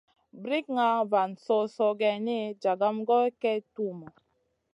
Brikŋa van so-soh geyni, jagam goy kay tuhmu.